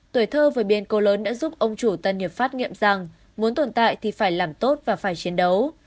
tuổi thơ vừa biên cố lớn đã giúp ông chủ tân hiệp phát nghiệm rằng muốn tồn tại thì phải làm tốt và phải chiến đấu